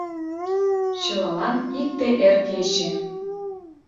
Чылалан икте эр кече